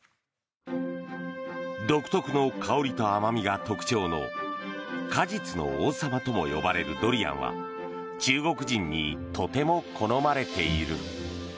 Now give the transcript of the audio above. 独特の香りと甘みが特徴の果実の王様とも呼ばれるドリアンは中国人にとても好まれている。